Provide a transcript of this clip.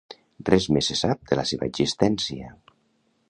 Res més se sap de la seva existència.